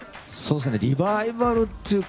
リバイバルっていうか